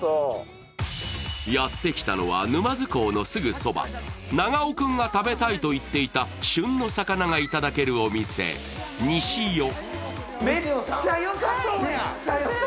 やってきたのは、沼津港のすぐそば、長尾君が食べたいと言っていた旬の魚がいただけるお店、にし与。